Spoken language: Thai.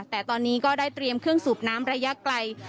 แต่ตอนนี้ก็ได้เตรียมเครื่องสูบน้ำระยะไกล